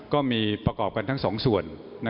ประกอบกันทั้งสองส่วน